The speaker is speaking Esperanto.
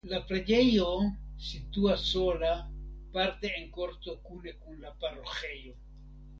La preĝejo situas sola parte en korto kune kun la paroĥejo.